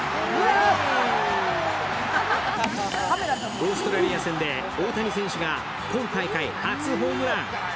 オーストラリア戦で大谷選手が今大会初ホームラン。